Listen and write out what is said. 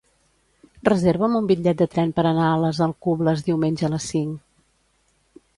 Reserva'm un bitllet de tren per anar a les Alcubles diumenge a les cinc.